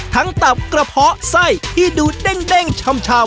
ตับกระเพาะไส้ที่ดูเด้งชำ